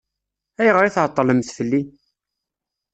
Ayɣer i tɛeṭṭlemt fell-i?